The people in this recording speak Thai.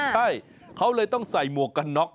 ใช่เขาเลยต้องใส่หมวกกันน็อก